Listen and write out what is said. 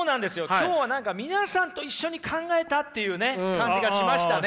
今日は何か皆さんと一緒に考えたっていうね感じがしましたね。